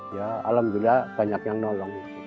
ya alhamdulillah banyak yang nolong